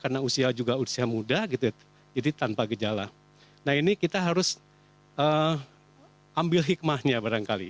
nah ini kita harus ambil hikmahnya barangkali